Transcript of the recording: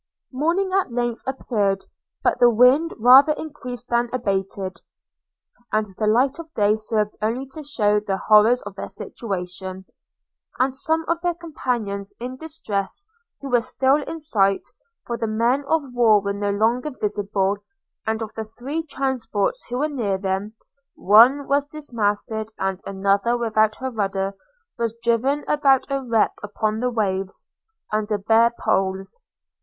Morning at length appeared, but the wind rather increased than abated; and the light of day served only to shew the horrors of their situation, and of some of their companions in distress, who were still in sight, for the men of war were no longer visible; and of the three transports who were near them, one was dismasted, and another without her rudder was driven about a wreck upon the waves, under bare poles.